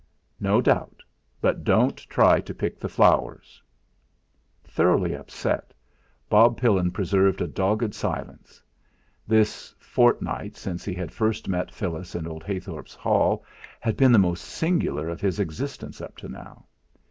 "No doubt. But don't try to pick the flowers." Thoroughly upset, Bob Pillin preserved a dogged silence. This fortnight, since he had first met Phyllis in old Heythorp's hall, had been the most singular of his existence up to now.